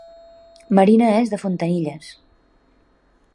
Marina és de Fontanilles